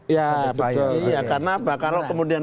iya betul iya karena apa kalau kemudian